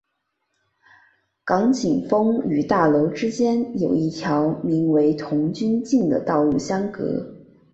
港景峰与大楼之间有一条名为童军径的道路相隔。